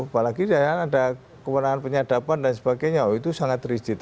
kalau ada kekurangan penyadapan dan sebagainya oh itu sangat rigid